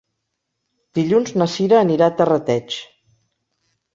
Dilluns na Cira anirà a Terrateig.